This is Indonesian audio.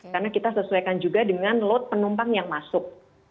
karena kita sesuaikan juga dengan load penumpang yang masuk